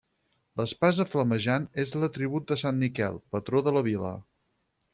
L'espasa flamejant és l'atribut de sant Miquel, patró de la vila.